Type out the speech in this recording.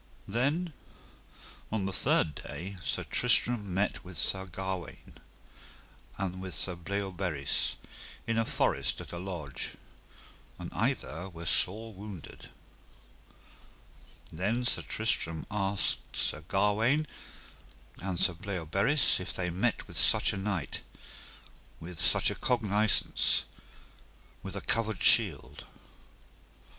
Then on the third day Sir Tristram met with Sir Gawaine and with Sir Bleoberis in a forest at a lodge, and either were sore wounded. Then Sir Tristram asked Sir Gawaine and Sir Bleoberis if they met with such a knight, with such a cognisance, with a covered shield.